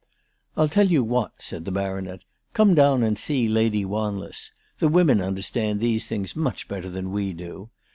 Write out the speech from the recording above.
"I'll tell you what," said the Baronet. "Come down and see Lady Wanless. The women understand these things much better than we do.